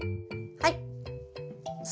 はい。